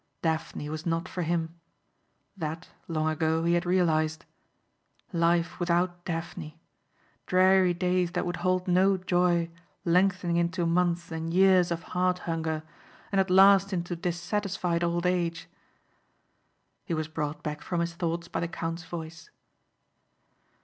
Daphne was not for him. That, long ago, he had realized. Life without Daphne! Dreary days that would hold no joy lengthening into months and years of heart hunger and at last into dissatisfied old age. He was brought back from his thoughts by the count's voice.